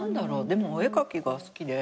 でもお絵描きが好きで。